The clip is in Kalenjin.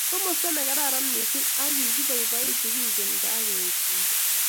Komasta ne kararan mising ak kikiboiboitu kengen kakeit nemie